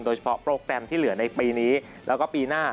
โปรแกรมที่เหลือในปีนี้แล้วก็ปีหน้า